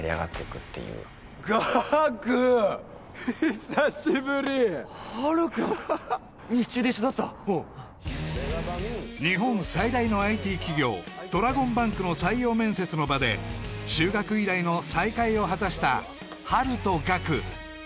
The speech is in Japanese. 久しぶりハルくん西中で一緒だったおう日本最大のＩＴ企業ドラゴンバンクの採用面接の場で中学以来の再会を果たしたハルとガク